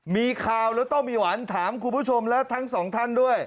มีข่าวแล้วต้องมีหวานถามคุณผู้ชมและทั้งสองท่านด้วย